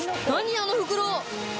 あの袋。